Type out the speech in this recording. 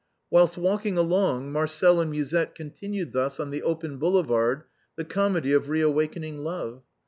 Whilst walking along Marcel and Musette continued thus on the open Boulevard the comedy of re awakening love.